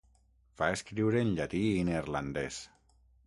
Va escriure en llatí i neerlandès.